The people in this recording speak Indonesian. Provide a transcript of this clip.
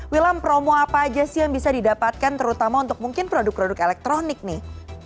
wilam promo apa aja sih yang bisa didapatkan terutama untuk mungkin produk produk elektronik nih